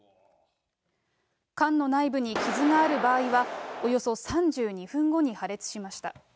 缶の内部に傷がある場合は、およそ３２分後に破裂しました。